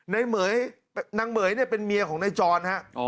นายเหม๋ยนางเหม๋ยเนี้ยเป็นเมียของนายจรฮะอ๋อ